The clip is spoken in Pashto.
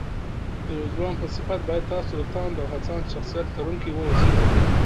د يو ځوان په صفت بايد تاسو د تاند او هڅاند شخصيت لرونکي واوسئ